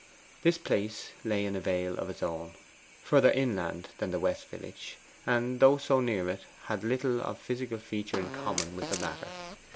This place lay in a vale of its own, further inland than the west village, and though so near it, had little of physical feature in common with the latter.